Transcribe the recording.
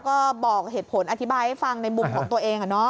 ก็บอกเหตุผลอธิบายให้ฟังในมุมของตัวเอง